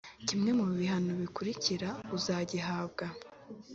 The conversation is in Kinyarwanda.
kimwe mu ibihano bikurikira uzagihabwa